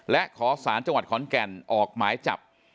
และขอสารจังหวัดขอนแก่นออกหมายจับ